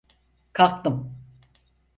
Kalktım.